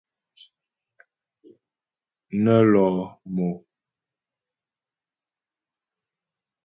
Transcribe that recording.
Nə́ lɔ̂ mo.